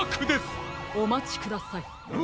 おまちください。